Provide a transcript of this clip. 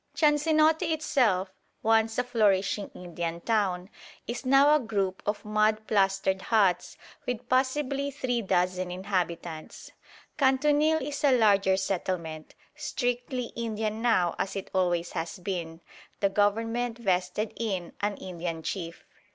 Chansenote itself, once a flourishing Indian town, is now a group of mud plastered huts with possibly three dozen inhabitants. Kantunil is a larger settlement, strictly Indian now as it always has been; the government vested in an Indian chief.